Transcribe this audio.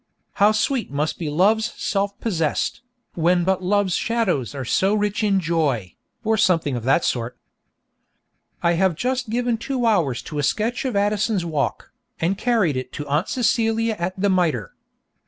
'How sweet must be Love's self possessed, when but Love's shadows are so rich in joy!' or something of that sort. I have just given two hours to a sketch of Addison's Walk, and carried it to Aunt Celia at the Mitre.